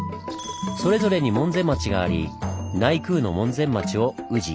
それぞれに門前町があり内宮の門前町を「宇治」